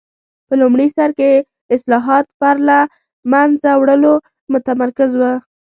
په لومړي سر کې اصلاحات پر له منځه وړلو متمرکز و.